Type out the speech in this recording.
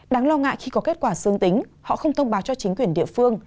đáng lo ngại khi có kết quả dương tính họ không thông báo cho chính quyền địa phương